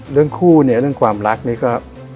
เรื่องคู่เนี่ยเรื่องความรักนี่ก็